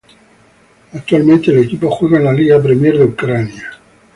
Actualmente el equipo juega en la Liga Premier de Ucrania.